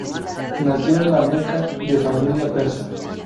Nació en La Meca, de familia persa.